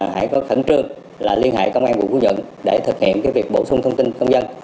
hãy có khẩn trương là liên hệ công an quận phú nhận để thực hiện việc bổ sung thông tin công dân